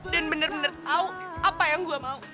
dan bener bener tau apa yang gue mau